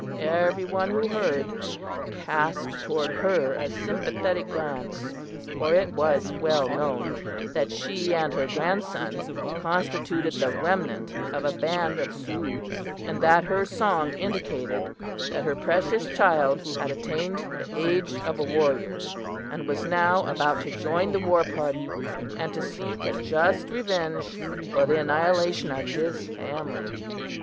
"Everyone who heard, cast toward her a sympathetic glance, for it was well known that she and her grandson constituted the remnant of a band of Sioux, and that her song indicated that her precious child had attained the age of a warrior, and was now about to join the war party, and to seek a just revenge for the annihilation of his family.